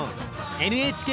ＮＨＫ